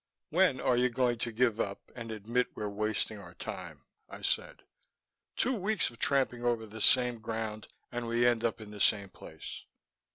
"When are you going to give up and admit we're wasting our time?" I said. "Two weeks of tramping over the same ground, and we end up in the same place."